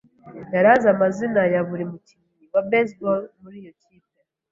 yari azi amazina ya buri mukinnyi wa baseball muri iyo kipe.